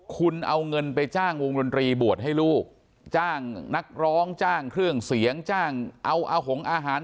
คุณเอาเงินไปจ้างวงดนตรีบวชให้ลูกจ้างนักร้องจ้างเครื่องเสียงจ้างเอาอาหงอาหาร